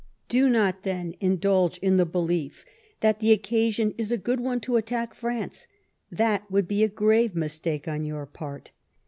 Do not then indulge in the belief that the occasion is a good one to attack France ; that would be a grave mistake ou your part.